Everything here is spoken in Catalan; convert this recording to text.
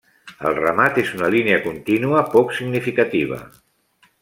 El remat és una línia contínua, poc significativa.